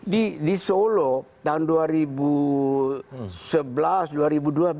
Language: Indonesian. di solo tahun dua ribu sebelas dua ribu dua belas